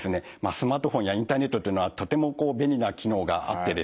スマートフォンやインターネットっていうのはとても便利な機能があってですね